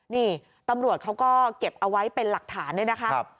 นี่ตำรวจเขาก็เก็บเอาไว้เป็นหลักฐานเนี่ยนะคะ